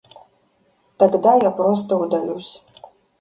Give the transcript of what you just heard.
Тогда я просто удалюсь.